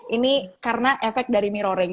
ini karena efek dari mirroring